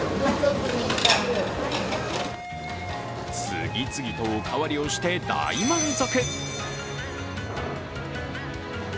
次々とおかわりをして大満足。